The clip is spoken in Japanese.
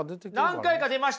何回か出ました。